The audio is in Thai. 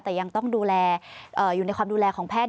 แต่ยังต้องดูแลอยู่ในความดูแลของแพทย์